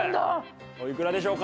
おいくらでしょうか？